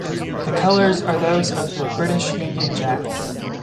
The colours are those of the British Union Jack.